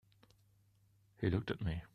He looked at me.